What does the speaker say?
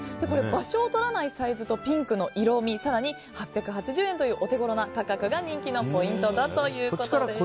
場所をとらないサイズとピンクの色味更に８８０円というお手ごろな価格が人気のポイントだということです。